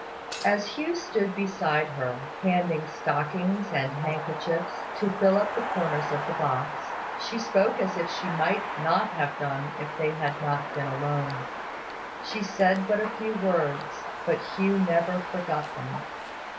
As Hugh stood beside her, handing stockings and handkerchiefs, to fill up the corners of the box, she spoke as she might not have done if they had not been alone. She said but a few words; but Hugh never forgot them.